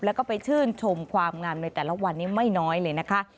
แล้วก็ไปชื่นชมความงามในแต่ละวันนี้ไม่น้อยเลยนะคะ